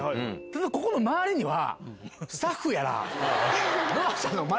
ここの周りには。